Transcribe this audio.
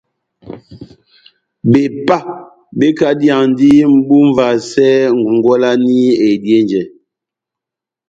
Bepá bekadiyandi mʼbu múvasɛ ngwangwalani eidihe njɛ.